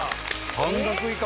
半額以下。